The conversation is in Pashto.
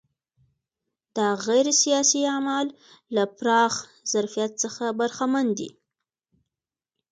دا غیر سیاسي اعمال له پراخ ظرفیت څخه برخمن دي.